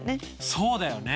そうだよね。